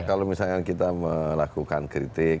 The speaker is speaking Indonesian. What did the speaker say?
kalau misalnya kita melakukan kritik